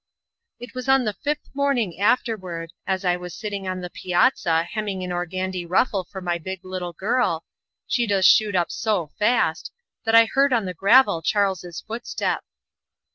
It was on the fifth morning afterward, as I was sitting on the piazza hemming an organdie ruffle for my big little girl she does shoot up so fast that I heard on the gravel Charles's footstep.